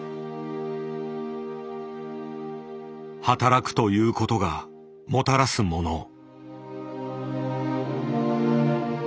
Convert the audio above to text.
「働く」ということがもたらすもの。